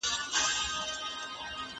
سياسي فکرونه په ټولنه کي توپير لري.